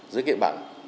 giữ kịp bạn